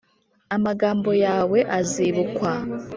amagambo yawe azibukwa